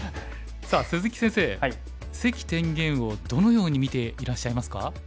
さあ鈴木先生関天元をどのように見ていらっしゃいますか？